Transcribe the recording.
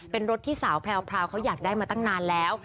เป็นรถที่สาวแพรวเขาอยากได้มาตั้งนานแล้ว